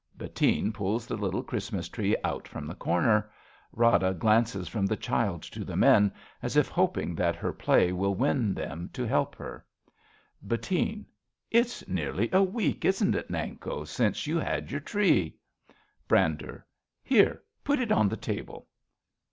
(Bbttine pulls the little Christmas tree out from the corner. Rada glances from, the child to the w,en, as if hoping that her play will win them to help her.) Bettine. It's nearly a week, Isn't it, Nanko, since you had your tree ? Brander. Here, put it on the table.